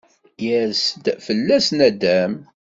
Yers-d fella-s naddam.